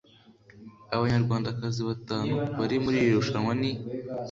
Abanyarwandakazi batanu bari muri iri rushanwa ni